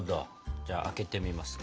じゃあ開けてみますか。